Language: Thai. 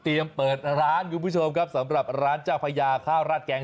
เปิดร้านคุณผู้ชมครับสำหรับร้านเจ้าพญาข้าวราดแกง